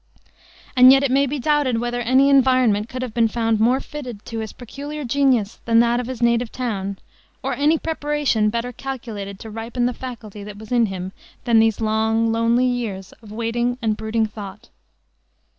And yet it may be doubted whether any environment could have been found more fitted to his peculiar genius than this of his native town, or any preparation better calculated to ripen the faculty that was in him than these long, lonely years of waiting and brooding thought.